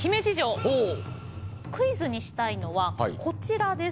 クイズにしたいのはこちらです。